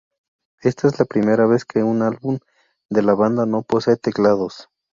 Esta es la primera vez que un álbum de la banda no posee teclados.